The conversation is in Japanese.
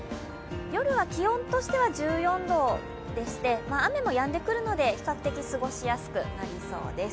夜は気温としては１４度でして、雨もやんでくるので比較的過ごしやすくなりそうです。